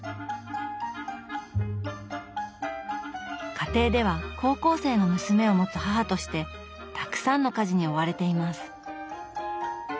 家庭では高校生の娘を持つ母としてたくさんの家事に追われています。